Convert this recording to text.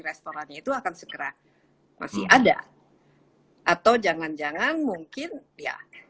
restorannya itu akan segera masih ada atau jangan jangan mungkin ya